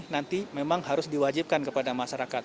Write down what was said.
nanti memang harus diwajibkan kepada masyarakat